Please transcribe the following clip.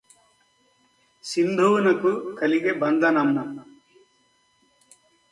సింధువునకు గలిగె బంధనమ్ము